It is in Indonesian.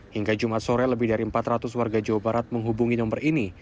hingga jumat sore lebih dari empat ratus warga jawa barat menghubungi nomor ini